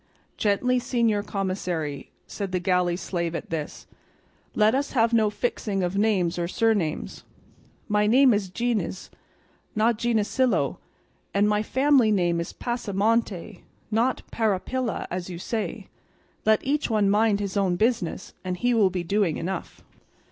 "Gently, señor commissary," said the galley slave at this, "let us have no fixing of names or surnames; my name is Gines, not Ginesillo, and my family name is Pasamonte, not Parapilla as you say; let each one mind his own business, and he will be doing enough."